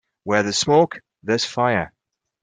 Where there's smoke there's fire.